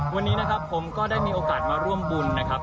วันนี้นะครับผมก็ได้มีโอกาสมาร่วมบุญนะครับ